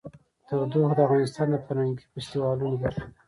تودوخه د افغانستان د فرهنګي فستیوالونو برخه ده.